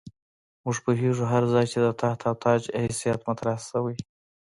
موږ پوهېږو هر ځای چې د تخت او تاج حیثیت مطرح شوی.